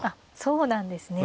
そうなんですね。